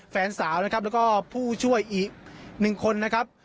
แฟนสาวนะครับแล้วก็ผู้ช่วยอีกหนึ่งคนนะครับ